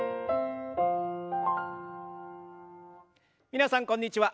皆さんこんにちは。